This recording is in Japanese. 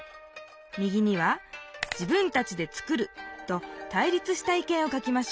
右には「自分たちで作る」と対立した意見を書きましょう。